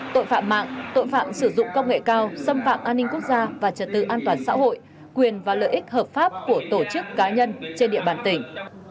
tội phạm mạng tội phạm sử dụng công nghệ cao xâm phạm an ninh quốc gia và trật tự an toàn xã hội quyền và lợi ích hợp pháp của tổ chức cá nhân trên địa bàn tỉnh